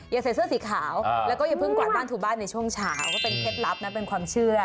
อย่าใส่เสื้อสีขาวแล้วก็อย่าเพิ่งกลับบ้านถูบ้านในช่วงเช้าก็เป็นเคล็ดลับนะเป็นความเชื่อ